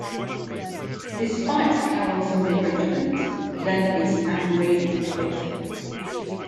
Despite Carol's encouragement, Glenn is angry and bitter.